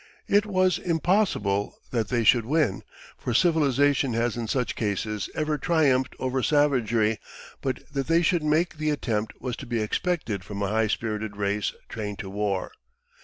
It was impossible that they should win, for civilization has in such cases ever triumphed over savagery; but that they should make the attempt was to be expected from a high spirited race trained to war.